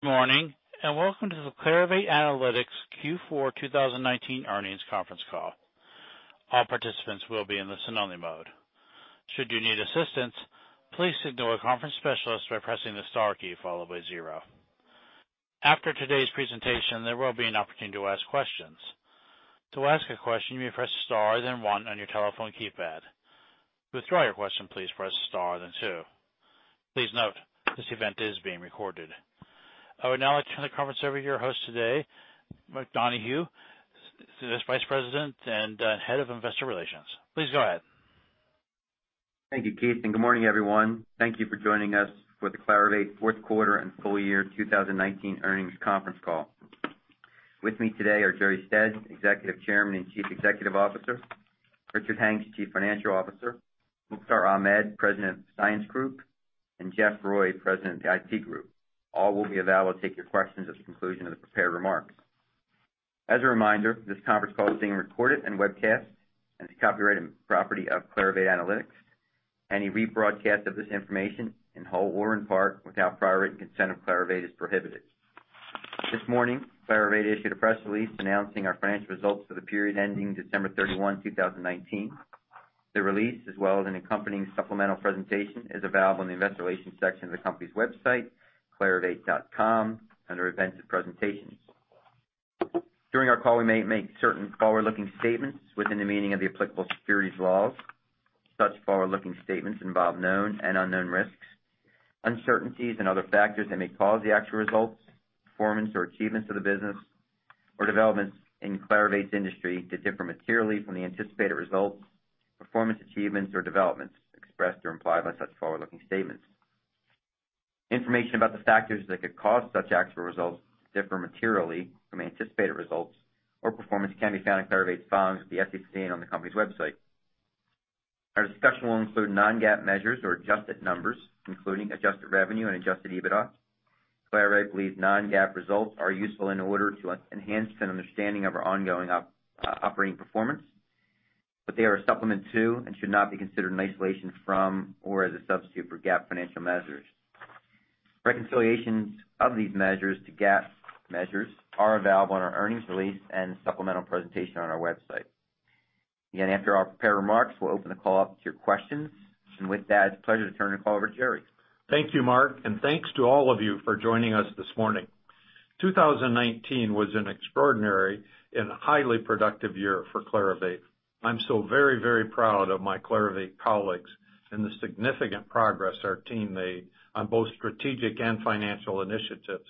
Morning, welcome to the Clarivate Analytics Q4 2019 earnings conference call. All participants will be in listen-only mode. Should you need assistance, please signal a conference specialist by pressing the star key, followed by zero. After today's presentation, there will be an opportunity to ask questions. To ask a question, you may press star, then 1 on your telephone keypad. To withdraw your question, please press star, then two. Please note, this event is being recorded. I would now like to turn the conference over to your host today, Mark Donohue, who's Vice President and Head of Investor Relations. Please go ahead. Thank you, Keith, and good morning, everyone. Thank you for joining us for the Clarivate fourth quarter and full year 2019 earnings conference call. With me today are Jerre Stead, Executive Chairman and Chief Executive Officer, Richard Hanks, Chief Financial Officer, Mukhtar Ahmed, President of Science Group, and Jeff Roy, President of the IP Group. All will be available to take your questions at the conclusion of the prepared remarks. As a reminder, this conference call is being recorded and webcast and is the copyrighted property of Clarivate Analytics. Any rebroadcast of this information, in whole or in part, without prior written consent of Clarivate is prohibited. This morning, Clarivate issued a press release announcing our financial results for the period ending December 31, 2019. The release, as well as an accompanying supplemental presentation, is available on the investor relations section of the company's website, clarivate.com, under Events and Presentations. During our call, we may make certain forward-looking statements within the meaning of the applicable securities laws. Such forward-looking statements involve known and unknown risks, uncertainties, and other factors that may cause the actual results, performance, or achievements of the business or developments in Clarivate's industry to differ materially from the anticipated results, performance achievements, or developments expressed or implied by such forward-looking statements. Information about the factors that could cause such actual results to differ materially from anticipated results or performance can be found in Clarivate's filings with the SEC and on the company's website. Our discussion will include non-GAAP measures or adjusted numbers, including adjusted revenue and adjusted EBITDA. Clarivate believes non-GAAP results are useful in order to enhance an understanding of our ongoing operating performance. They are a supplement to, and should not be considered in isolation from or as a substitute for, GAAP financial measures. Reconciliations of these measures to GAAP measures are available on our earnings release and supplemental presentation on our website. Again, after our prepared remarks, we'll open the call up to your questions. With that, it's a pleasure to turn the call over to Jerre. Thank you, Mark, and thanks to all of you for joining us this morning. 2019 was an extraordinary and highly productive year for Clarivate. I'm so very proud of my Clarivate colleagues and the significant progress our team made on both strategic and financial initiatives.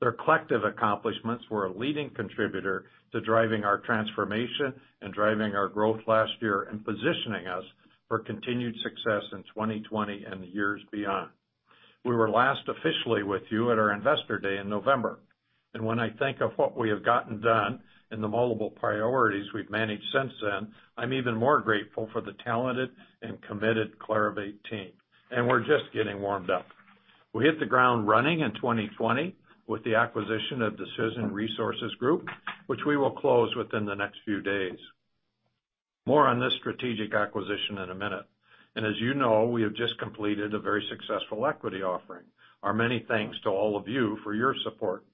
Their collective accomplishments were a leading contributor to driving our transformation and driving our growth last year and positioning us for continued success in 2020 and the years beyond. We were last officially with you at our Investor Day in November. When I think of what we have gotten done and the multiple priorities we've managed since then, I'm even more grateful for the talented and committed Clarivate team, and we're just getting warmed up. We hit the ground running in 2020 with the acquisition of the Decision Resources Group, which we will close within the next few days. More on this strategic acquisition in a minute. As you know, we have just completed a very successful equity offering. Our many thanks to all of you for your support.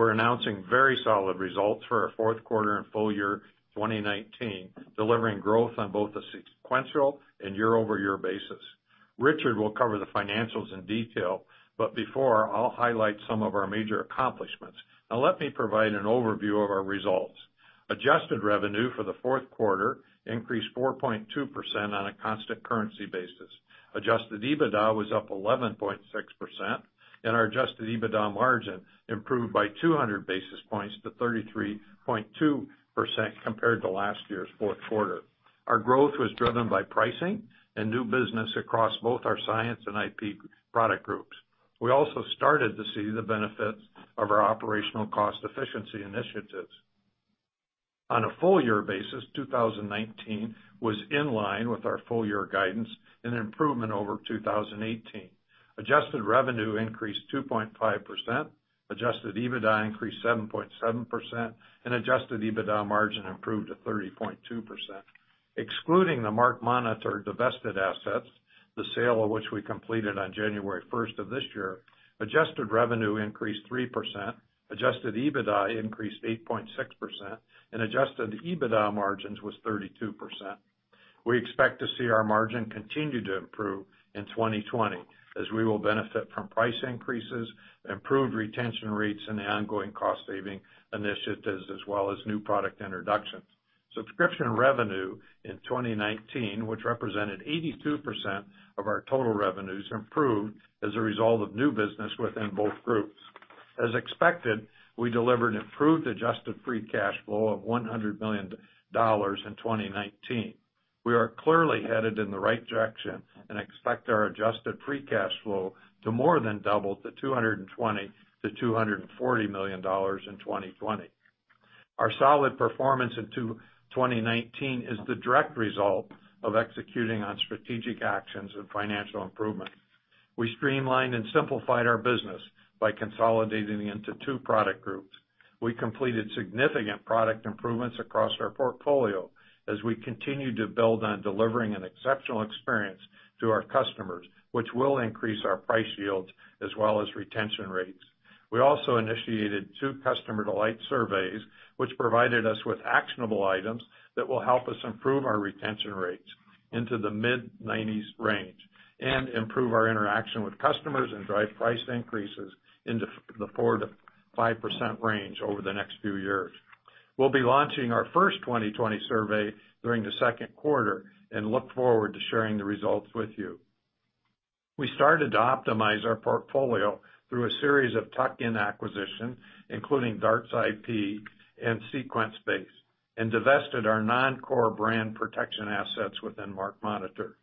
We're announcing very solid results for our fourth quarter and full year 2019, delivering growth on both a sequential and year-over-year basis. Richard will cover the financials in detail, but before, I'll highlight some of our major accomplishments. Let me provide an overview of our results. Adjusted revenue for the fourth quarter increased 4.2% on a constant currency basis. Adjusted EBITDA was up 11.6%, and our adjusted EBITDA margin improved by 200 basis points to 33.2% compared to last year's fourth quarter. Our growth was driven by pricing and new business across both our Science and IP product groups. We also started to see the benefits of our operational cost efficiency initiatives. On a full year basis, 2019 was in line with our full year guidance and an improvement over 2018. Adjusted revenue increased 2.5%, adjusted EBITDA increased 7.7%, and adjusted EBITDA margin improved to 30.2%. Excluding the MarkMonitor divested assets, the sale of which we completed on January 1st of this year, adjusted revenue increased 3%, adjusted EBITDA increased 8.6%, and adjusted EBITDA margins was 32%. We expect to see our margin continue to improve in 2020 as we will benefit from price increases, improved retention rates, and ongoing cost-saving initiatives, as well as new product introductions. Subscription revenue in 2019, which represented 82% of our total revenues, improved as a result of new business within both groups. As expected, we delivered improved adjusted free cash flow of $100 million in 2019. We are clearly headed in the right direction and expect our adjusted free cash flow to more than double to $220 million-$240 million in 2020. Our solid performance in 2019 is the direct result of executing on strategic actions and financial improvement. We streamlined and simplified our business by consolidating into two product groups. We completed significant product improvements across our portfolio as we continue to build on delivering an exceptional experience to our customers, which will increase our price yields as well as retention rates. We also initiated two customer delight surveys, which provided us with actionable items that will help us improve our retention rates into the mid-90s range and improve our interaction with customers and drive price increases in the 4%-5% range over the next few years. We'll be launching our first 2020 survey during the second quarter and look forward to sharing the results with you. We started to optimize our portfolio through a series of tuck-in acquisitions, including Darts-ip and SequenceBase, and divested our non-core brand protection assets within MarkMonitor.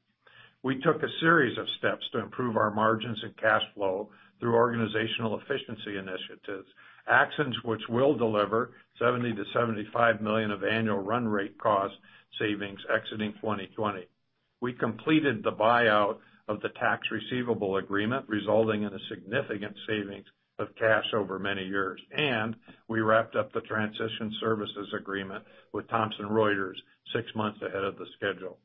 We took a series of steps to improve our margins and cash flow through organizational efficiency initiatives, actions which will deliver $70 million-$75 million of annual run rate cost savings exiting 2020. We completed the buyout of the tax receivable agreement, resulting in a significant savings of cash over many years, and we wrapped up the transition services agreement with Thomson Reuters six months ahead of the schedule.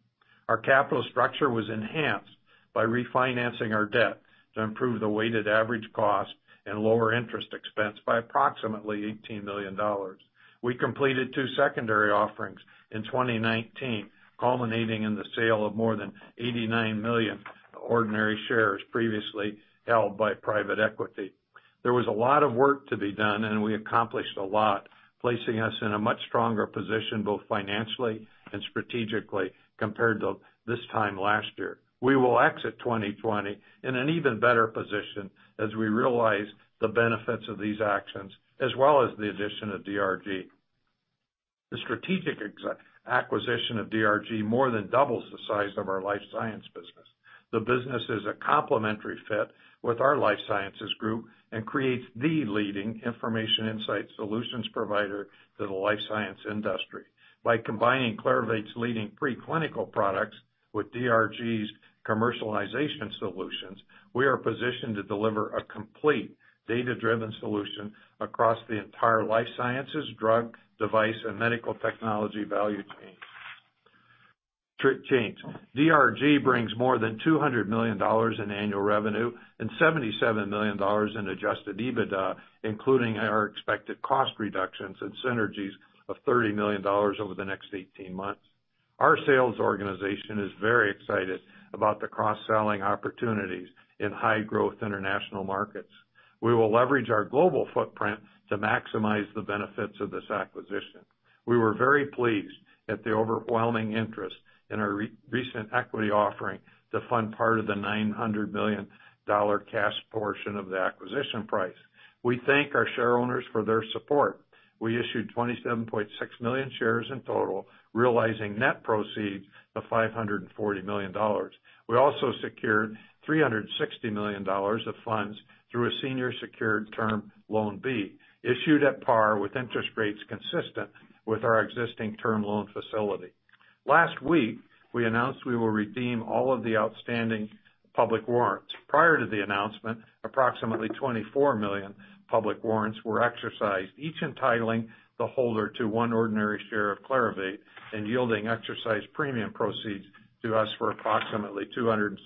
Our capital structure was enhanced by refinancing our debt to improve the weighted average cost and lower interest expense by approximately $18 million. We completed two secondary offerings in 2019, culminating in the sale of more than 89 million ordinary shares previously held by private equity. There was a lot of work to be done, and we accomplished a lot, placing us in a much stronger position, both financially and strategically, compared to this time last year. We will exit 2020 in an even better position as we realize the benefits of these actions, as well as the addition of DRG. The strategic acquisition of DRG more than doubles the size of our Life Sciences business. The business is a complementary fit with our Life Sciences Group and creates the leading information insight solutions provider to the Life Sciences industry. By combining Clarivate's leading preclinical products with DRG's commercialization solutions, we are positioned to deliver a complete data-driven solution across the entire Life Sciences, drug, device, and medical technology value chains. DRG brings more than $200 million in annual revenue and $77 million in adjusted EBITDA, including our expected cost reductions and synergies of $30 million over the next 18 months. Our sales organization is very excited about the cross-selling opportunities in high-growth international markets. We will leverage our global footprint to maximize the benefits of this acquisition. We were very pleased at the overwhelming interest in our recent equity offering to fund part of the $900 million cash portion of the acquisition price. We thank our shareowners for their support. We issued 27.6 million shares in total, realizing net proceeds of $540 million. We also secured $360 million of funds through a senior secured Term Loan B, issued at par with interest rates consistent with our existing term loan facility. Last week, we announced we will redeem all of the outstanding public warrants. Prior to the announcement, approximately 24 million public warrants were exercised, each entitling the holder to one ordinary share of Clarivate and yielding exercise premium proceeds to us for approximately $276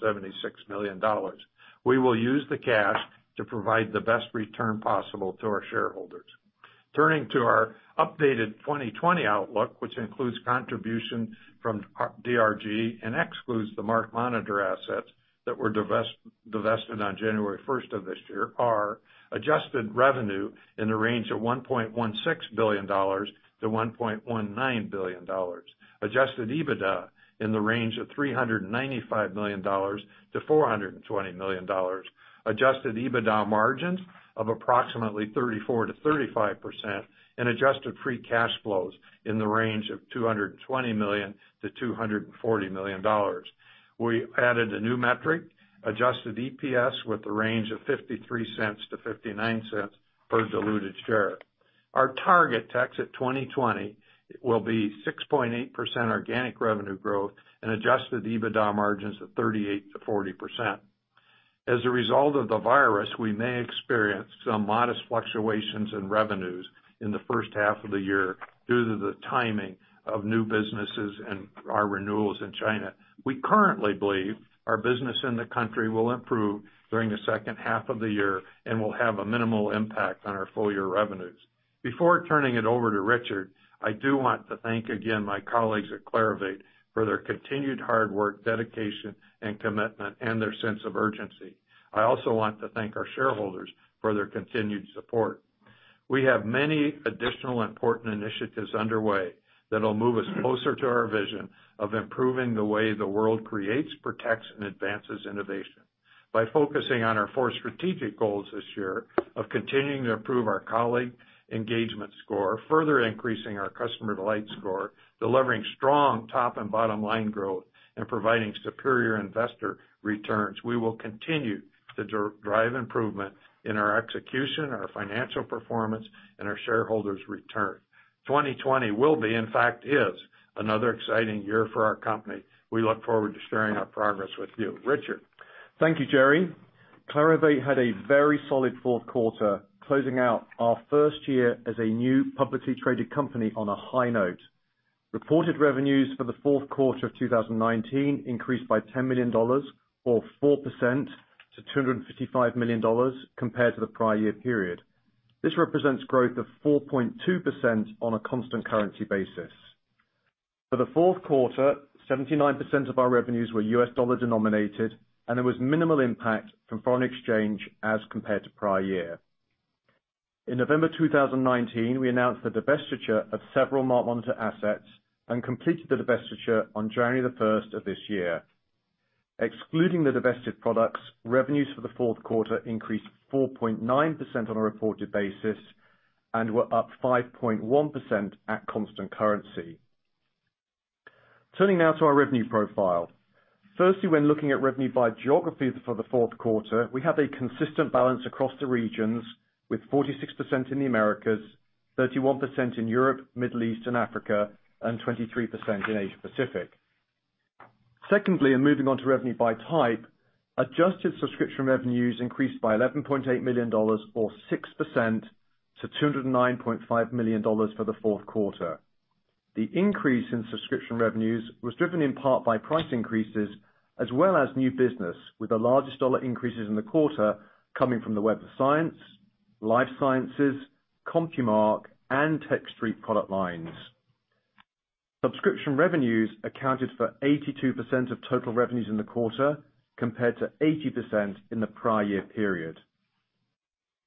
million. We will use the cash to provide the best return possible to our shareholders. Turning to our updated 2020 outlook, which includes contribution from DRG and excludes the MarkMonitor assets that were divested on January 1st of this year, our adjusted revenue in the range of $1.16 billion-$1.19 billion, adjusted EBITDA in the range of $395 million-$420 million, adjusted EBITDA margins of approximately 34%-35%, and adjusted free cash flows in the range of $220 million-$240 million. We added a new metric, adjusted EPS, with a range of $0.53-$0.59 per diluted share. Our targets at 2020 will be 6.8% organic revenue growth and adjusted EBITDA margins of 38% to 40%. As a result of the virus, we may experience some modest fluctuations in revenues in the first half of the year due to the timing of new businesses and our renewals in China. We currently believe our business in the country will improve during the second half of the year and will have a minimal impact on our full-year revenues. Before turning it over to Richard, I do want to thank again my colleagues at Clarivate for their continued hard work, dedication, and commitment, and their sense of urgency. I also want to thank our shareholders for their continued support. We have many additional important initiatives underway that'll move us closer to our vision of improving the way the world creates, protects, and advances innovation. By focusing on our four strategic goals this year of continuing to improve our colleague engagement score, further increasing our customer delight score, delivering strong top and bottom line growth, and providing superior investor returns, we will continue to drive improvement in our execution, our financial performance, and our shareholders' return. 2020 will be, in fact is, another exciting year for our company. We look forward to sharing our progress with you. Richard? Thank you, Jerre. Clarivate had a very solid fourth quarter, closing out our first year as a new publicly traded company on a high note. Reported revenues for the fourth quarter of 2019 increased by $10 million, or 4%, to $255 million compared to the prior year period. This represents growth of 4.2% on a constant currency basis. For the fourth quarter, 79% of our revenues were U.S. dollar denominated, and there was minimal impact from foreign exchange as compared to prior year. In November 2019, we announced the divestiture of several MarkMonitor assets and completed the divestiture on January 1st of this year. Excluding the divested products, revenues for the fourth quarter increased 4.9% on a reported basis and were up 5.1% at constant currency. Turning now to our revenue profile. Firstly, when looking at revenue by geography for the fourth quarter, we have a consistent balance across the regions with 46% in the Americas, 31% in Europe, Middle East and Africa, and 23% in Asia Pacific. Secondly, moving on to revenue by type, adjusted subscription revenues increased by $11.8 million or 6% to $209.5 million for the fourth quarter. The increase in subscription revenues was driven in part by price increases as well as new business with the largest dollar increases in the quarter coming from the Web of Science, Life Sciences, CompuMark, and Techstreet product lines. Subscription revenues accounted for 82% of total revenues in the quarter, compared to 80% in the prior year period.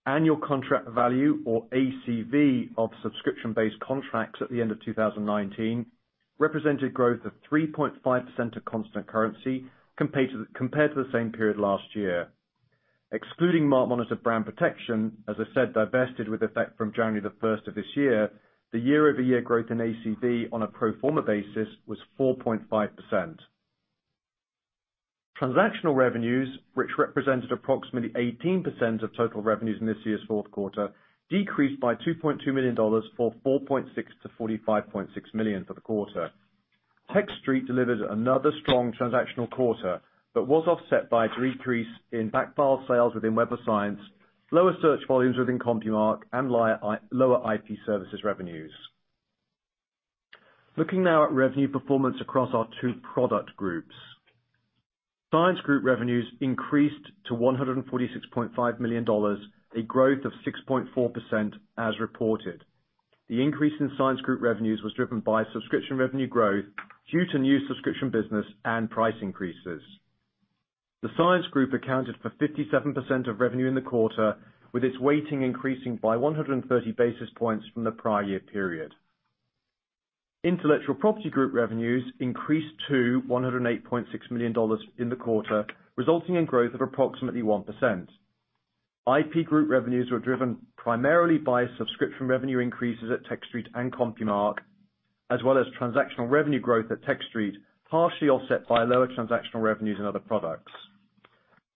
Annual contract value, or ACV, of subscription-based contracts at the end of 2019 represented growth of 3.5% of constant currency compared to the same period last year. Excluding MarkMonitor Brand Protection, as I said, divested with effect from January 1st of this year, the year-over-year growth in ACV on a pro forma basis was 4.5%. Transactional revenues, which represented approximately 18% of total revenues in this year's fourth quarter, decreased by $2.2 million, or 4.6% to $45.6 million for the quarter. Techstreet delivered another strong transactional quarter, but was offset by a decrease in backfile sales within Web of Science, lower search volumes within CompuMark, and lower IP services revenues. Looking now at revenue performance across our two product groups. Science Group revenues increased to $146.5 million, a growth of 6.4% as reported. The increase in Science Group revenues was driven by subscription revenue growth due to new subscription business and price increases. The Science Group accounted for 57% of revenue in the quarter, with its weighting increasing by 130 basis points from the prior year period. Intellectual Property Group revenues increased to $108.6 million in the quarter, resulting in growth of approximately 1%. IP Group revenues were driven primarily by subscription revenue increases at Techstreet and CompuMark, as well as transactional revenue growth at Techstreet, partially offset by lower transactional revenues in other products.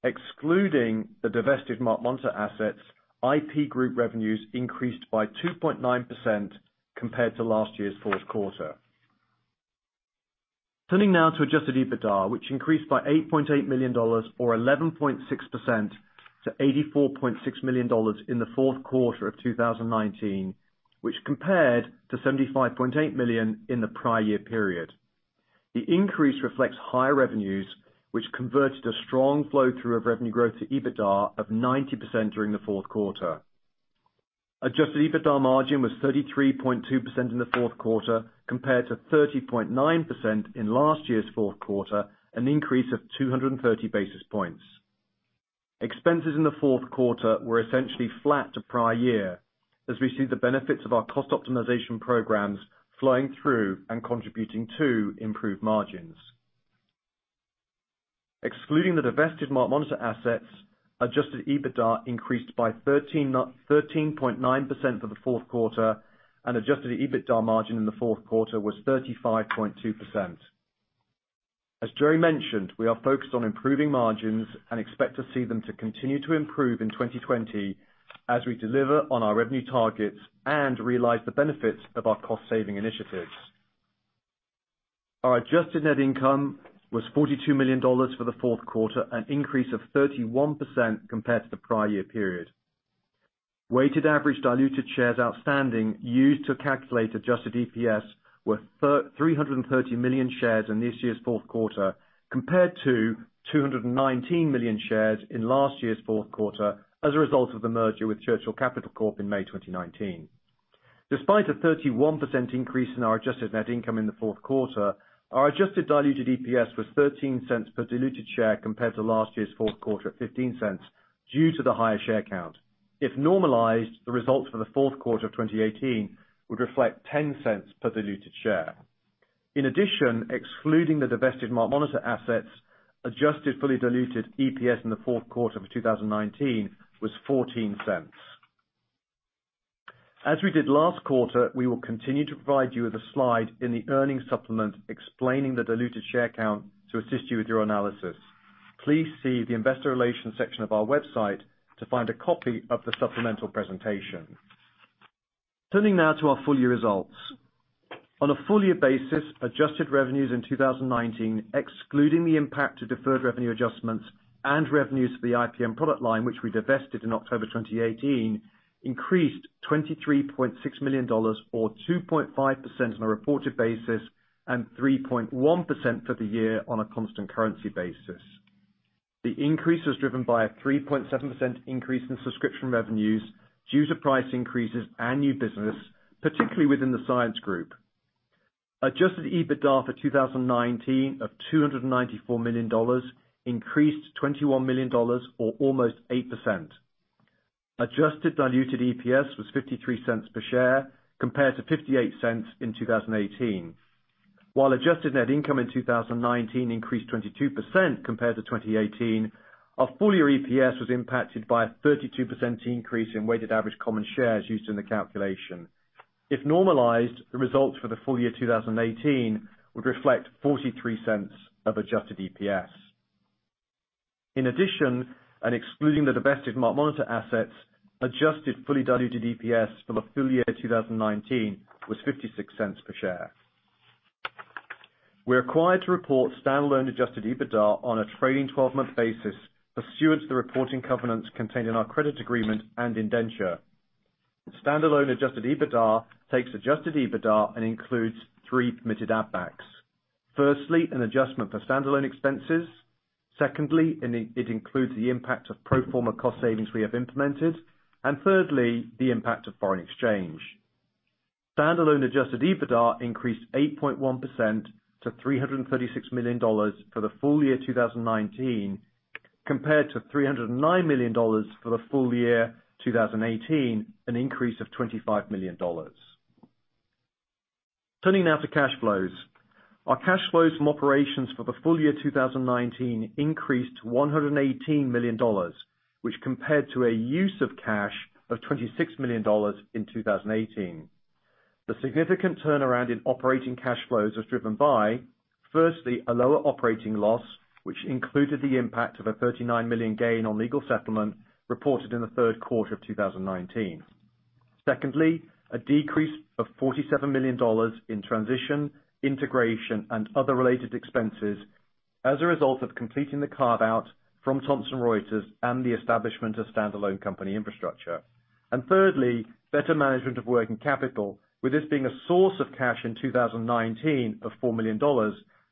Excluding the divested MarkMonitor assets, IP Group revenues increased by 2.9% compared to last year's fourth quarter. Turning now to adjusted EBITDA, which increased by $8.8 million or 11.6% to $84.6 million in the fourth quarter of 2019, which compared to $75.8 million in the prior year period. The increase reflects higher revenues, which converted a strong flow-through of revenue growth to EBITDA of 90% during the fourth quarter. Adjusted EBITDA margin was 33.2% in the fourth quarter, compared to 30.9% in last year's fourth quarter, an increase of 230 basis points. Expenses in the fourth quarter were essentially flat to prior year as we see the benefits of our cost optimization programs flowing through and contributing to improved margins. Excluding the divested MarkMonitor assets, adjusted EBITDA increased by 13.9% for the fourth quarter, and adjusted EBITDA margin in the fourth quarter was 35.2%. As Jerre mentioned, we are focused on improving margins and expect to see them to continue to improve in 2020 as we deliver on our revenue targets and realize the benefits of our cost-saving initiatives. Our adjusted net income was $42 million for the fourth quarter, an increase of 31% compared to the prior year period. Weighted average diluted shares outstanding used to calculate adjusted EPS were 330 million shares in this year's fourth quarter, compared to 219 million shares in last year's fourth quarter as a result of the merger with Churchill Capital Corp in May 2019. Despite a 31% increase in our adjusted net income in the fourth quarter, our adjusted diluted EPS was $0.13 per diluted share compared to last year's fourth quarter at $0.15 due to the higher share count. If normalized, the results for the fourth quarter of 2018 would reflect $0.10 per diluted share. In addition, excluding the divested MarkMonitor assets, adjusted fully diluted EPS in the fourth quarter for 2019 was $0.14. As we did last quarter, we will continue to provide you with a slide in the earnings supplement explaining the diluted share count to assist you with your analysis. Please see the investor relations section of our website to find a copy of the supplemental presentation. Turning now to our full year results. On a full year basis, adjusted revenues in 2019, excluding the impact of deferred revenue adjustments and revenues for the IPM product line, which we divested in October 2018, increased $23.6 million or 2.5% on a reported basis and 3.1% for the year on a constant currency basis. The increase was driven by a 3.7% increase in subscription revenues due to price increases and new business, particularly within the Science Group. Adjusted EBITDA for 2019 of $294 million increased $21 million or almost 8%. Adjusted diluted EPS was $0.53 per share compared to $0.58 in 2018. While adjusted net income in 2019 increased 22% compared to 2018, our full year EPS was impacted by a 32% increase in weighted average common shares used in the calculation. If normalized, the results for the full year 2018 would reflect $0.43 of adjusted EPS. In addition, and excluding the divested MarkMonitor assets, adjusted fully diluted EPS for the full year 2019 was $0.56 per share. We are required to report standalone adjusted EBITDA on a trailing 12-month basis pursuant to the reporting covenants contained in our credit agreement and indenture. Standalone adjusted EBITDA takes adjusted EBITDA and includes three permitted add backs. Firstly, an adjustment for standalone expenses. Secondly, it includes the impact of pro forma cost savings we have implemented. Thirdly, the impact of foreign exchange. Standalone adjusted EBITDA increased 8.1% to $336 million for the full year 2019, compared to $309 million for the full year 2018, an increase of $25 million. Turning now to cash flows. Our cash flows from operations for the full year 2019 increased to $118 million, which compared to a use of cash of $26 million in 2018. The significant turnaround in operating cash flows was driven by, firstly, a lower operating loss, which included the impact of a $39 million gain on legal settlement reported in the third quarter of 2019. Secondly, a decrease of $47 million in transition, integration, and other related expenses as a result of completing the carve-out from Thomson Reuters and the establishment of standalone company infrastructure. Thirdly, better management of working capital, with this being a source of cash in 2019 of $4 million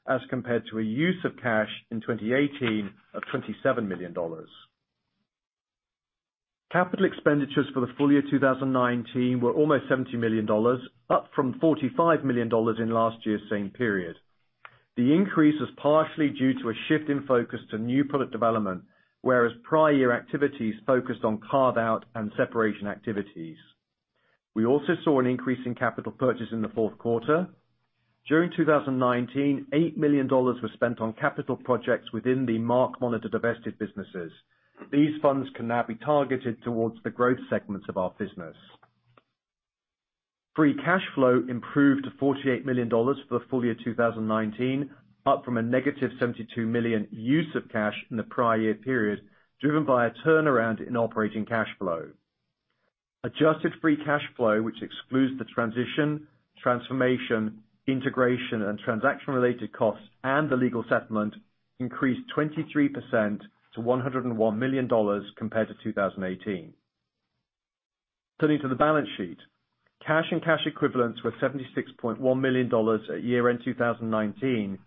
as compared to a use of cash in 2018 of $27 million. Capital expenditures for the full year 2019 were almost $70 million, up from $45 million in last year's same period. The increase is partially due to a shift in focus to new product development, whereas prior year activities focused on carve-out and separation activities. We also saw an increase in capital purchase in the fourth quarter. During 2019, $8 million was spent on capital projects within the MarkMonitor divested businesses. These funds can now be targeted towards the growth segments of our business. Free cash flow improved to $48 million for the full year 2019, up from a negative $72 million use of cash in the prior year period, driven by a turnaround in operating cash flow. Adjusted free cash flow, which excludes the transition, transformation, integration and transaction-related costs and the legal settlement, increased 23% to $101 million compared to 2018. Turning to the balance sheet. Cash and cash equivalents were $76.1 million at year-end 2019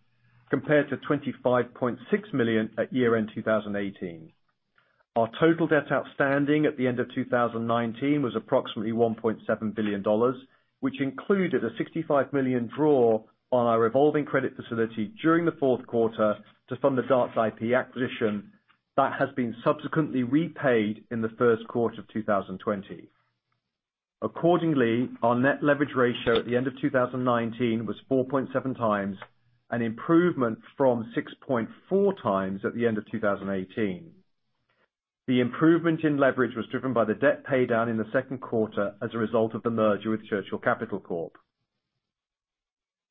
compared to $25.6 million at year-end 2018. Our total debt outstanding at the end of 2019 was approximately $1.7 billion, which included a $65 million draw on our revolving credit facility during the fourth quarter to fund the Darts-ip acquisition that has been subsequently repaid in the first quarter of 2020. Accordingly, our net leverage ratio at the end of 2019 was 4.7x, an improvement from 6.4x at the end of 2018. The improvement in leverage was driven by the debt paydown in the second quarter as a result of the merger with Churchill Capital Corp.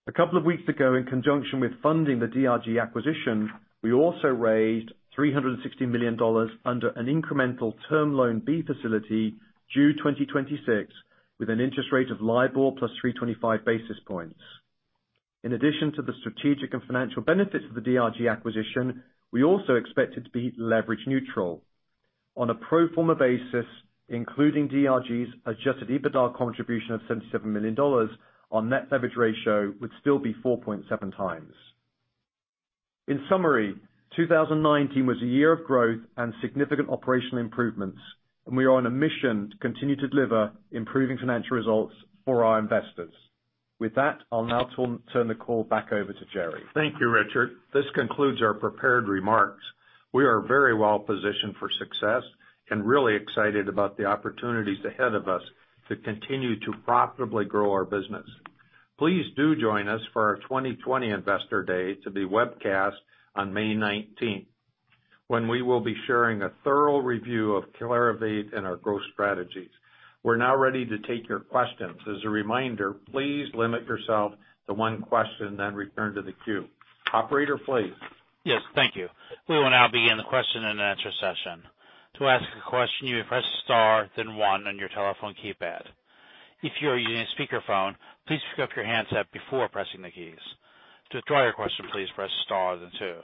A couple of weeks ago, in conjunction with funding the DRG acquisition, we also raised $360 million under an incremental Term Loan B facility due 2026, with an interest rate of LIBOR +325 basis points. In addition to the strategic and financial benefits of the DRG acquisition, we also expect it to be leverage neutral. On a pro forma basis, including DRG's adjusted EBITDA contribution of $77 million, our net leverage ratio would still be 4.7x. In summary, 2019 was a year of growth and significant operational improvements, and we are on a mission to continue to deliver improving financial results for our investors. With that, I'll now turn the call back over to Jerre. Thank you, Richard. This concludes our prepared remarks. We are very well positioned for success and really excited about the opportunities ahead of us to continue to profitably grow our business. Please do join us for our 2020 Investor Day to be webcast on May 19th, when we will be sharing a thorough review of Clarivate and our growth strategies. We're now ready to take your questions. As a reminder, please limit yourself to one question, then return to the queue. Operator, please. Yes, thank you. We will now begin the question and answer session. To ask a question, you would press star then one on your telephone keypad. If you are using a speakerphone, please pick up your handset before pressing the keys. To withdraw your question, please press star then two.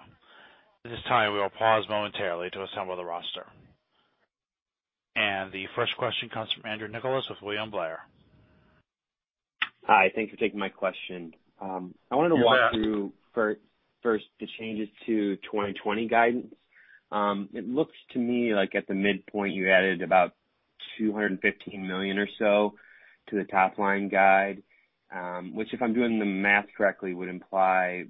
At this time, we will pause momentarily to assemble the roster. The first question comes from Andrew Nicholas with William Blair. Hi, thank you for taking my question. You bet. I wanted to walk through first the changes to 2020 guidance. It looks to me like at the midpoint, you added about $215 million or so to the top-line guide, which if I'm doing the math correctly, would imply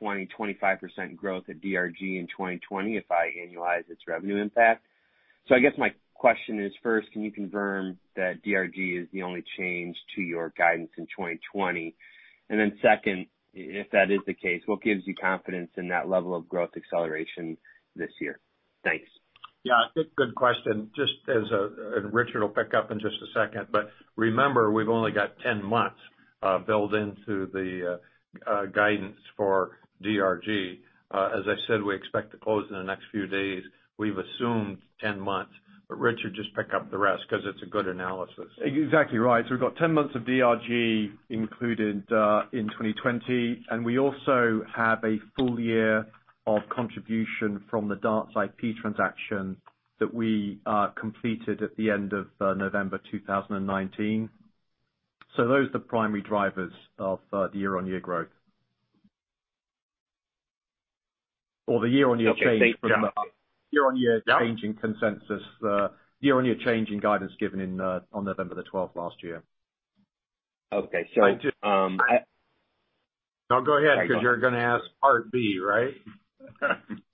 20%-25% growth at DRG in 2020 if I annualize its revenue impact. I guess my question is first, can you confirm that DRG is the only change to your guidance in 2020? Then second, if that is the case, what gives you confidence in that level of growth acceleration this year? Thanks. Yeah, good question. Richard will pick up in just a second, remember, we've only got 10 months built into the guidance for DRG. As I said, we expect to close in the next few days. We've assumed 10 months. Richard, just pick up the rest because it's a good analysis. Exactly right. We've got 10 months of DRG included in 2020, and we also have a full year of contribution from the Darts-ip transaction that we completed at the end of November 2019. Those are the primary drivers of the year-on-year growth. Okay, thanks. Yeah year-on-year change in consensus, year-on-year change in guidance given on November the 12th last year. Okay. No, go ahead, because you're going to ask part B, right?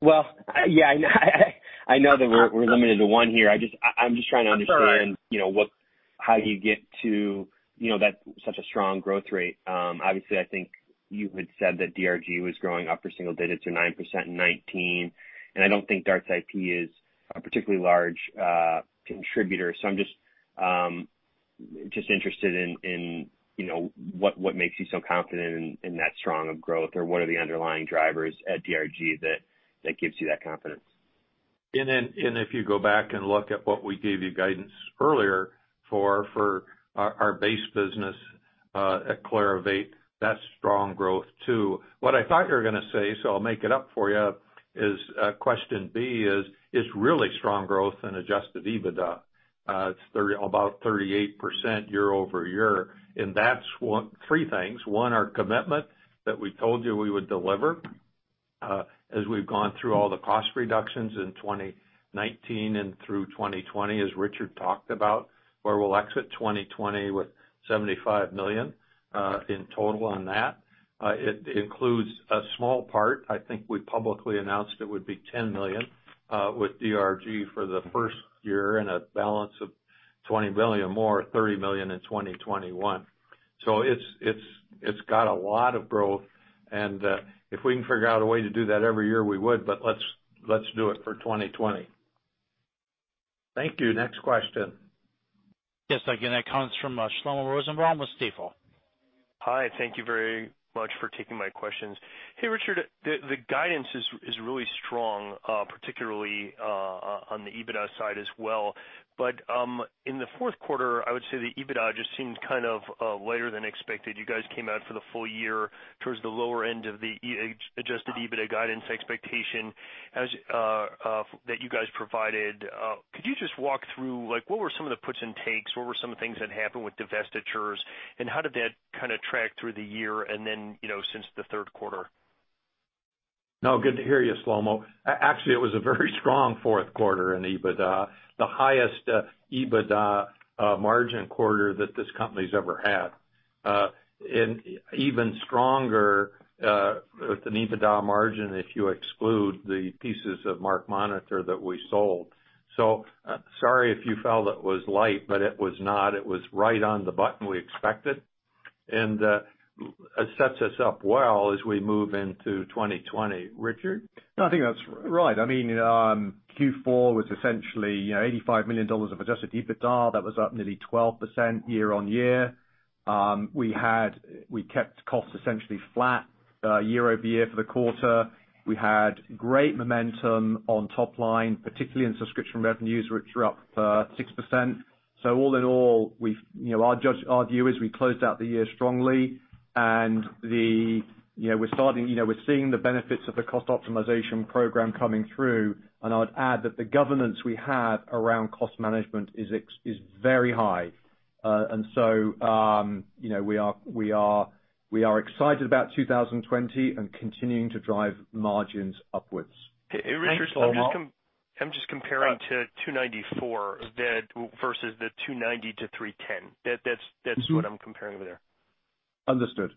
Well, yeah I know that we're limited to one here. That's all right. I'm just trying to understand how you get to such a strong growth rate. Obviously, I think you had said that DRG was growing upper single digits or 9% in 2019, and I don't think Darts-ip is a particularly large contributor. I'm just interested in what makes you so confident in that strong of growth or what are the underlying drivers at DRG that gives you that confidence? If you go back and look at what we gave you guidance earlier for our base business at Clarivate, that's strong growth too. What I thought you were going to say, so I'll make it up for you, is question B is really strong growth in adjusted EBITDA. It's about 38% year-over-year. That's three things. One, our commitment that we told you we would deliver, as we've gone through all the cost reductions in 2019 and through 2020, as Richard talked about, where we'll exit 2020 with $75 million in total on that. It includes a small part, I think we publicly announced it would be $10 million, with DRG for the first year and a balance of $20 million more, $30 million in 2021. It's got a lot of growth, and if we can figure out a way to do that every year, we would, but let's do it for 2020. Thank you. Next question. Yes. Again, that comes from Shlomo Rosenbaum with Stifel. Hi, thank you very much for taking my questions. Hey, Richard, the guidance is really strong, particularly on the EBITDA side as well. In the fourth quarter, I would say the EBITDA just seemed kind of lighter than expected. You guys came out for the full year towards the lower end of the adjusted EBITDA guidance expectation that you guys provided. Could you just walk through, what were some of the puts and takes? What were some of the things that happened with divestitures, and how did that kind of track through the year and then since the third quarter? No, good to hear you, Shlomo. Actually, it was a very strong fourth quarter in EBITDA, the highest EBITDA margin quarter that this company's ever had. Even stronger with an EBITDA margin if you exclude the pieces of MarkMonitor that we sold. Sorry if you felt it was light, but it was not. It was right on the button we expected, and it sets us up well as we move into 2020. Richard? No, I think that's right. Q4 was essentially $85 million of adjusted EBITDA. That was up nearly 12% year-on-year. We kept costs essentially flat year-over-year for the quarter. We had great momentum on top line, particularly in subscription revenues, which were up 6%. All in all, our view is we closed out the year strongly and we're seeing the benefits of the cost optimization program coming through. I would add that the governance we have around cost management is very high. We are excited about 2020 and continuing to drive margins upwards. Thanks, Shlomo. Hey, Richard, I'm just comparing to $294 million versus the $290 million to $310 million. That's what I'm comparing over there. Understood.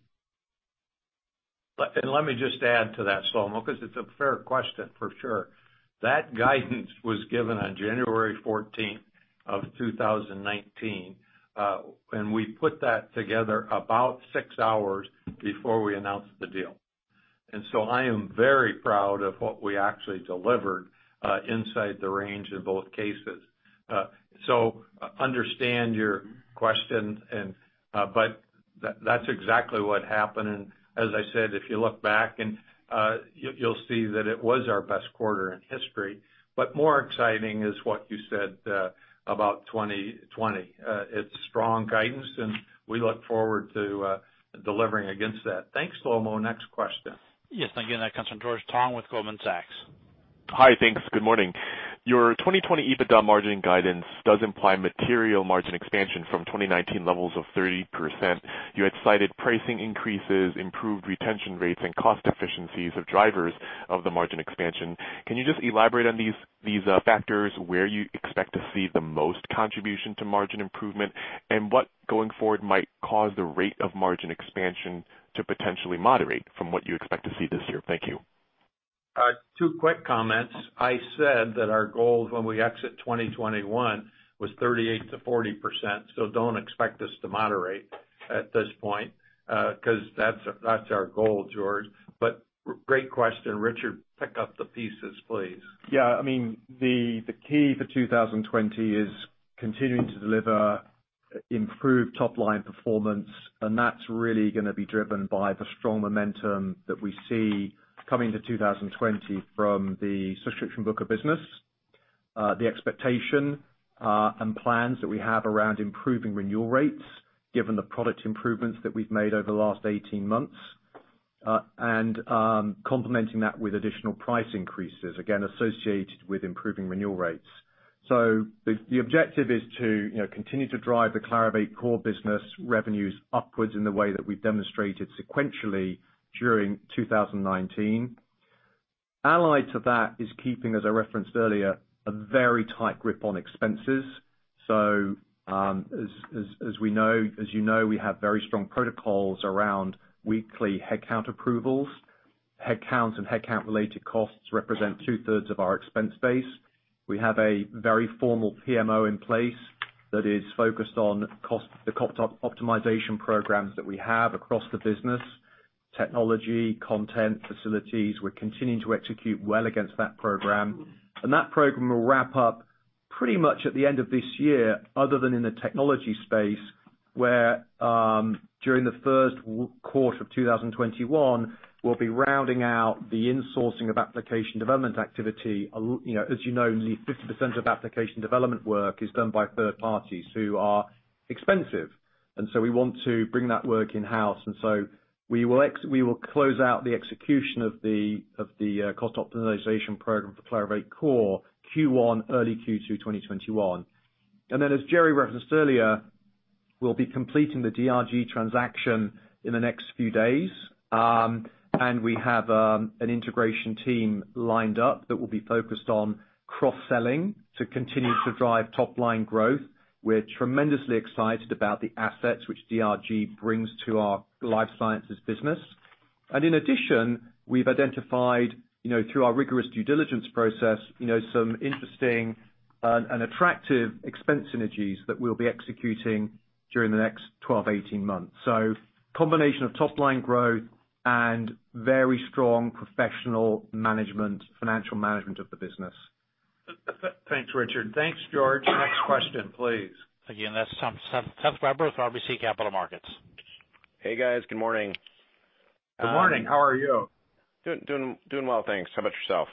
Let me just add to that, Shlomo, because it's a fair question for sure. That guidance was given on January 14th of 2019. We put that together about six hours before we announced the deal. I am very proud of what we actually delivered inside the range in both cases. Understand your question, but that's exactly what happened. As I said, if you look back, you'll see that it was our best quarter in history. More exciting is what you said about 2020. It's strong guidance, and we look forward to delivering against that. Thanks, Shlomo. Next question. Yes, thank you. That comes from George Tong with Goldman Sachs. Hi. Thanks. Good morning. Your 2020 EBITDA margin guidance does imply material margin expansion from 2019 levels of 30%. You had cited pricing increases, improved retention rates, and cost efficiencies of drivers of the margin expansion. Can you just elaborate on these factors, where you expect to see the most contribution to margin improvement, and what, going forward, might cause the rate of margin expansion to potentially moderate from what you expect to see this year? Thank you. Two quick comments. I said that our goal when we exit 2021 was 38%-40%. Don't expect us to moderate at this point, because that's our goal, George. Great question. Richard, pick up the pieces, please. The key for 2020 is continuing to deliver improved top-line performance, and that's really going to be driven by the strong momentum that we see coming to 2020 from the subscription book of business. The expectation and plans that we have around improving renewal rates, given the product improvements that we've made over the last 18 months, complementing that with additional price increases, again, associated with improving renewal rates. The objective is to continue to drive the Clarivate core business revenues upwards in the way that we've demonstrated sequentially during 2019. Allied to that is keeping, as I referenced earlier, a very tight grip on expenses. As you know, we have very strong protocols around weekly headcount approvals. Headcount and headcount related costs represent 2/3 of our expense base. We have a very formal PMO in place that is focused on the cost optimization programs that we have across the business, technology, content, facilities. We're continuing to execute well against that program, and that program will wrap up pretty much at the end of this year, other than in the technology space, where during the first quarter of 2021, we'll be rounding out the insourcing of application development activity. As you know, nearly 50% of application development work is done by third parties who are expensive, we want to bring that work in-house. We will close out the execution of the cost optimization program for Clarivate core Q1, early Q2 2021. As Jerre referenced earlier, we'll be completing the DRG transaction in the next few days. We have an integration team lined up that will be focused on cross-selling to continue to drive top-line growth. We're tremendously excited about the assets which DRG brings to our life sciences business. In addition, we've identified through our rigorous due diligence process, some interesting and attractive expense synergies that we'll be executing during the next 12, 18 months. Combination of top-line growth and very strong professional financial management of the business. Thanks, Richard. Thanks, George. Next question, please. Again, that's Seth Weber with RBC Capital Markets. Hey, guys. Good morning. Good morning. How are you? Doing well, thanks. How about yourself?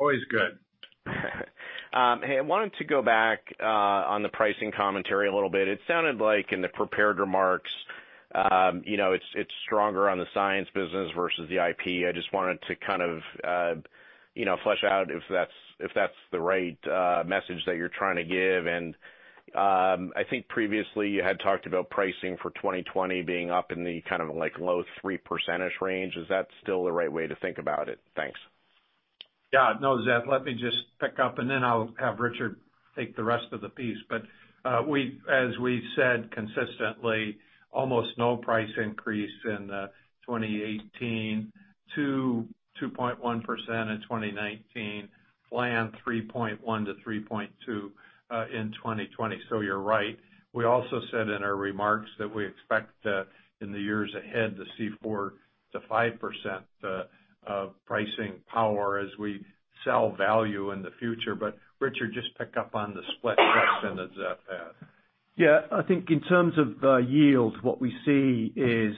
Always good. Hey, I wanted to go back on the pricing commentary a little bit. It sounded like in the prepared remarks, it's stronger on the Science business versus the IP. I just wanted to kind of flesh out if that's the right message that you're trying to give. I think previously you had talked about pricing for 2020 being up in the low 3% range. Is that still the right way to think about it? Thanks. No, Seth, let me just pick up, and then I'll have Richard take the rest of the piece. As we've said consistently, almost no price increase in 2018 to 2.1% in 2019. Plan 3.1%-3.2% in 2020. You're right. We also said in our remarks that we expect in the years ahead to see 4%-5% of pricing power as we sell value in the future. Richard, just pick up on the split question that Seth had. Yeah. I think in terms of yield, what we see is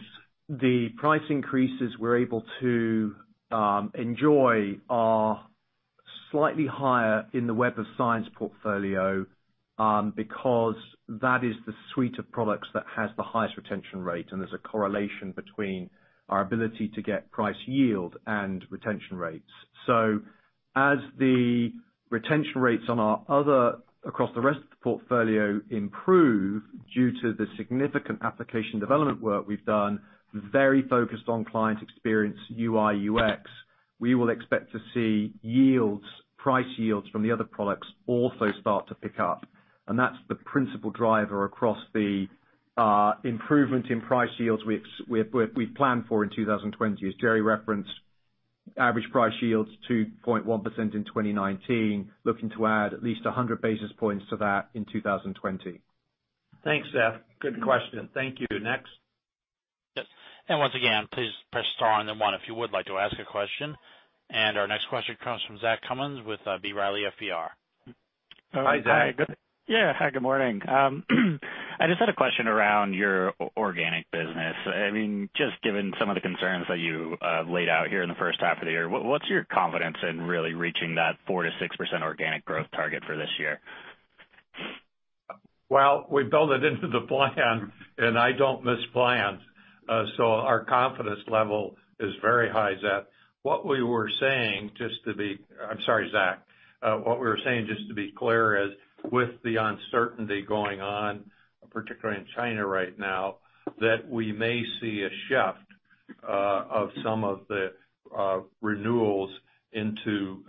the price increases we're able to enjoy are slightly higher in the Web of Science portfolio because that is the suite of products that has the highest retention rate, and there's a correlation between our ability to get price yield and retention rates. As the retention rates across the rest of the portfolio improve due to the significant application development work we've done, very focused on client experience, UI, UX, we will expect to see price yields from the other products also start to pick up. That's the principal driver across the improvement in price yields we've planned for in 2020. As Jerre referenced, average price yields 2.1% in 2019, looking to add at least 100 basis points to that in 2020. Thanks, Seth. Good question. Thank you. Next. Yes. Once again, please press star and then one if you would like to ask a question. Our next question comes from Zach Cummins with B. Riley FBR. Hi, Zach. Yeah. Hi, good morning. I just had a question around your organic business. Just given some of the concerns that you laid out here in the first half of the year, what's your confidence in really reaching that 4%-6% organic growth target for this year? Well, we built it into the plan. I don't miss plans. Our confidence level is very high, Zach. What we were saying, just to be clear, is with the uncertainty going on, particularly in China right now, that we may see a shift of some of the renewals into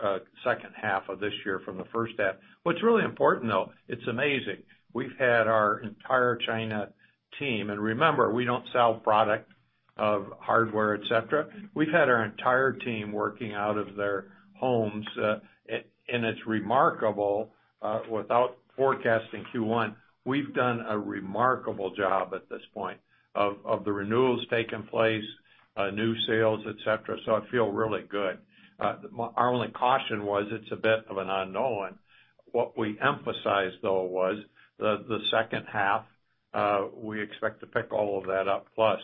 second half of this year from the first half. What's really important, though, it's amazing. We've had our entire China team. Remember, we don't sell product of hardware, et cetera. We've had our entire team working out of their homes. It's remarkable, without forecasting Q1, we've done a remarkable job at this point of the renewals taking place, new sales, et cetera. I feel really good. Our only caution was it's a bit of an unknown. What we emphasized, though, was the second half, we expect to pick all of that up, plus.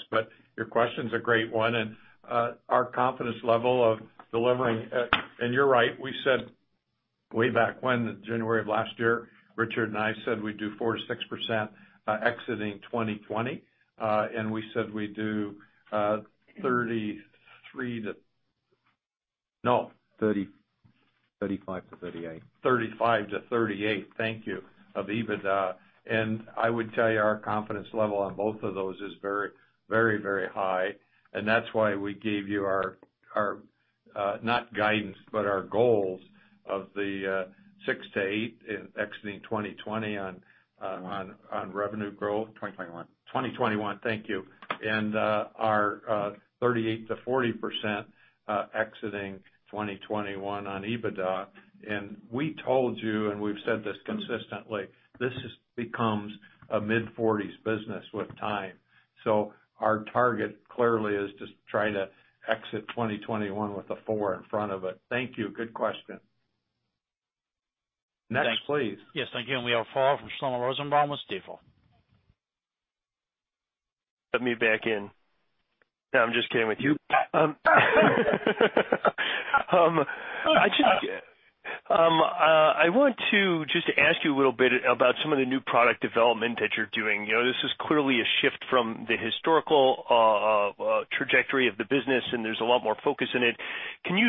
Your question's a great one and our confidence level of delivering-- You're right, we said way back when, in January of last year, Richard and I said we'd do 4%-6% exiting 2020. We said we'd do 33% to-- No. 35% to 38%. 35%-38%, thank you, of EBITDA. I would tell you our confidence level on both of those is very high. That's why we gave you our, not guidance, but our goals of the 6%-8% in exiting 2020 on revenue growth. 2021. 2021. Thank you. Our 38%-40% exiting 2021 on EBITDA. We told you, and we've said this consistently, this becomes a mid-40s business with time. Our target clearly is to try to exit 2021 with a four in front of it. Thank you. Good question. Next, please. Yes. Thank you. We have Shlomo Rosenbaum with Stifel. Let me back in. No, I'm just kidding with you. I want to just ask you a little bit about some of the new product development that you're doing. This is clearly a shift from the historical trajectory of the business, and there's a lot more focus in it. Can you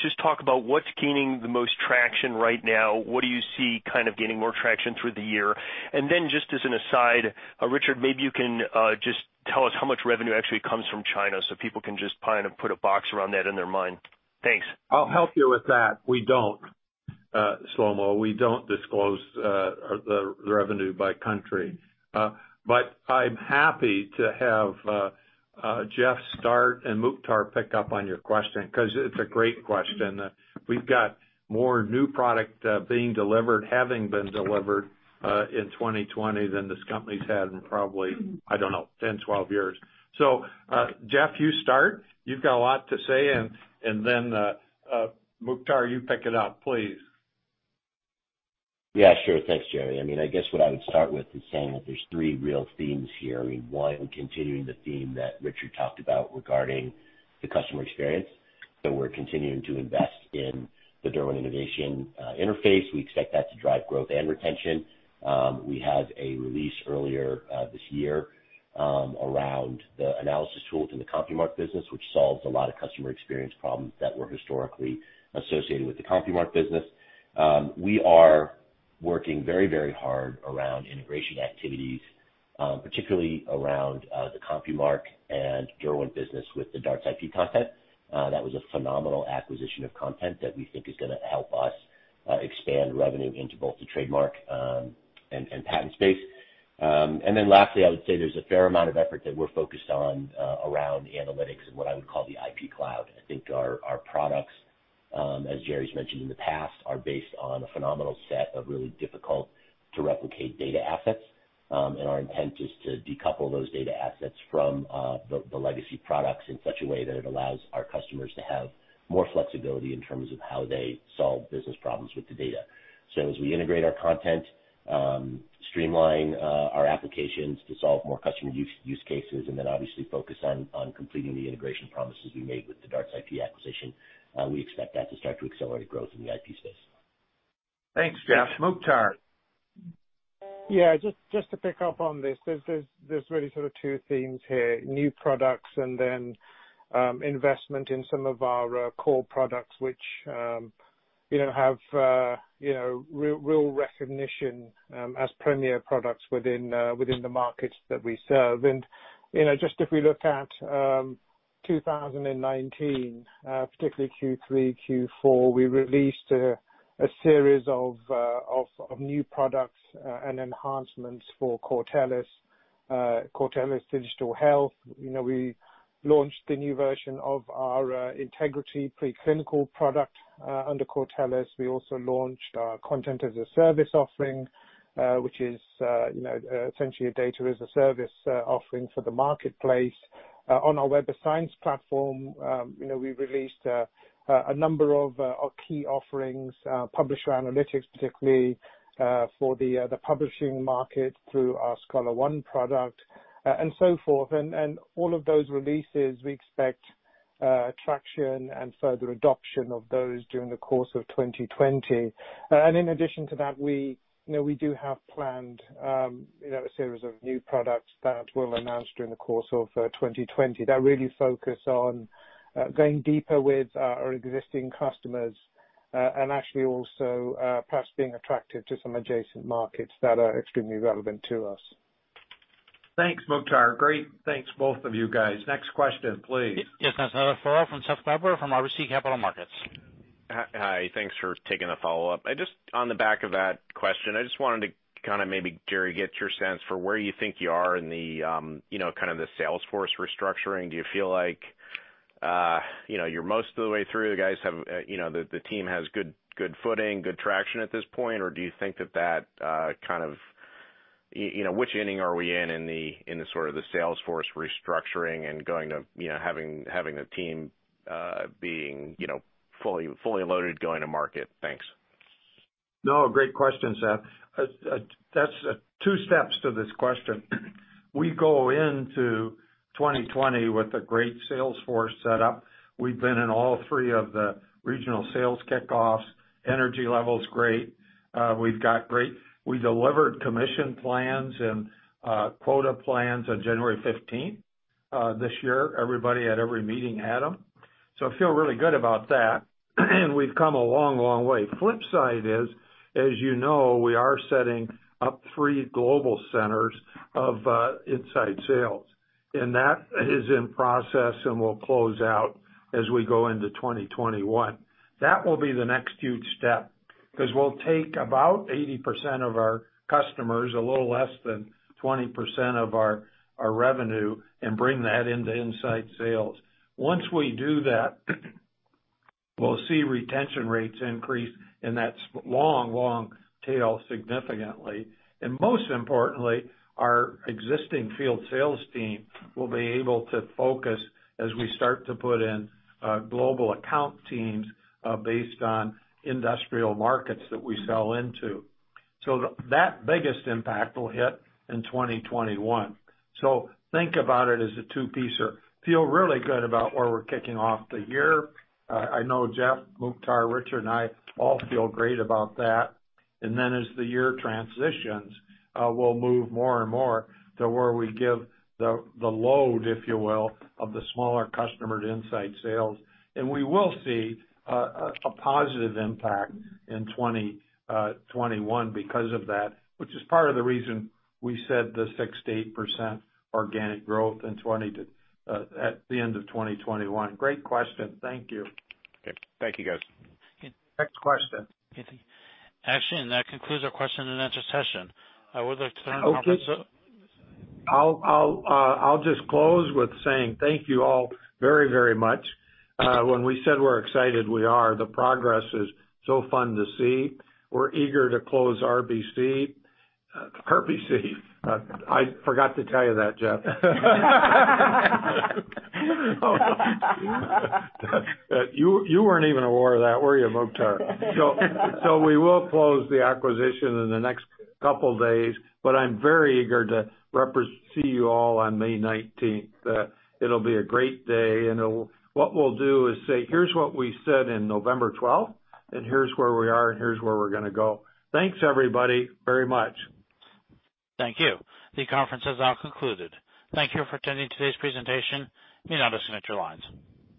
just talk about what's gaining the most traction right now? What do you see kind of gaining more traction through the year? Then, just as an aside, Richard, maybe you can just tell us how much revenue actually comes from China so people can just put a box around that in their mind. Thanks. I'll help you with that. We don't, Shlomo. We don't disclose the revenue by country. I'm happy to have Jeff start and Mukhtar pick up on your question, because it's a great question. We've got more new product being delivered, having been delivered, in 2020 than this company's had in probably, I don't know, 10, 12 years. Jeff, you start. You've got a lot to say. Mukhtar, you pick it up, please. Yeah, sure. Thanks, Jerre. I guess what I would start with is saying that there's three real themes here. One, continuing the theme that Richard talked about regarding the customer experience. We're continuing to invest in the Derwent Innovation interface. We expect that to drive growth and retention. We had a release earlier this year around the analysis tools in the CompuMark business, which solves a lot of customer experience problems that were historically associated with the CompuMark business. We are working very hard around integration activities, particularly around the CompuMark and Derwent business with the Darts-ip content. That was a phenomenal acquisition of content that we think is going to help us expand revenue into both the trademark and patent space. Lastly, I would say there's a fair amount of effort that we're focused on around analytics and what I would call the IP cloud. I think our products, as Jerre's mentioned in the past, are based on a phenomenal set of really difficult-to-replicate data assets. Our intent is to decouple those data assets from the legacy products in such a way that it allows our customers to have more flexibility in terms of how they solve business problems with the data. As we integrate our content, streamline our applications to solve more customer use cases, and then obviously focus on completing the integration promises we made with the Darts-ip acquisition, we expect that to start to accelerate growth in the IP space. Thanks, Jeff. Mukhtar. Yeah, just to pick up on this. There's really sort of two themes here, new products and then investment in some of our core products which have real recognition as premier products within the markets that we serve. Just if we look at 2019, particularly Q3, Q4, we released a series of new products and enhancements for Cortellis Digital Health. We launched the new version of our Integrity preclinical product under Cortellis. We also launched our content-as-a-service offering, which is essentially a data-as-a-service offering for the marketplace. On our Web of Science platform, we released a number of our key offerings, Publisher Analytics, particularly for the publishing market through our ScholarOne product, and so forth. All of those releases, we expect traction and further adoption of those during the course of 2020. In addition to that, we do have planned a series of new products that we'll announce during the course of 2020 that really focus on going deeper with our existing customers, and actually also perhaps being attractive to some adjacent markets that are extremely relevant to us. Thanks, Mukhtar. Great. Thanks, both of you guys. Next question, please. Yes. That's another follow-up from Seth Weber from RBC Capital Markets. Hi. Thanks for taking the follow-up. Just on the back of that question, I just wanted to kind of maybe, Jerre, get your sense for where you think you are in the kind of the sales force restructuring. Do you feel like you're most of the way through? The team has good footing, good traction at this point? Or do you think that kind of Which inning are we in the sort of the sales force restructuring and having the team being fully loaded going to market? Thanks. No, great question, Seth. There's two steps to this question. We go into 2020 with a great sales force set up. We've been in all three of the regional sales kickoffs. Energy level's great. We delivered commission plans and quota plans on January 15th this year. Everybody at every meeting had them. I feel really good about that. We've come a long way. Flip side is, as you know, we are setting up three global centers of inside sales. That is in process and will close out as we go into 2021. That will be the next huge step, because we'll take about 80% of our customers, a little less than 20% of our revenue, and bring that into inside sales. Once we do that, we'll see retention rates increase in that long tail significantly. Most importantly, our existing field sales team will be able to focus as we start to put in global account teams based on industrial markets that we sell into. That biggest impact will hit in 2021. Think about it as a two-piecer. I know Jeff, Mukhtar, Richard, and I all feel great about that. Then as the year transitions, we'll move more and more to where we give the load, if you will, of the smaller customer to inside sales. We will see a positive impact in 2021 because of that, which is part of the reason we said the 6%-8% organic growth at the end of 2021. Great question. Thank you. Okay. Thank you, guys. Next question. Actually, that concludes our question and answer session. Okay. I'll just close with saying thank you all very much. When we said we're excited, we are. The progress is so fun to see. We're eager to close RBC. I forgot to tell you that, Jeff. You weren't even aware of that, were you, Mukhtar? We will close the acquisition in the next couple of days, but I'm very eager to see you all on May 19th. It'll be a great day, and what we'll do is say, "Here's what we said on November 12th, and here's where we are, and here's where we're going to go." Thanks, everybody, very much. Thank you. The conference has now concluded. Thank you for attending today's presentation and you may disconnect your lines.